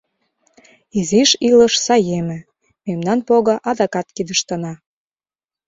Изиш илыш саеме — мемнан пого адакат кидыштына.